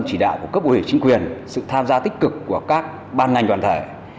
chỉ đạo của cấp ủy chính quyền sự tham gia tích cực của các ban ngành đoàn thể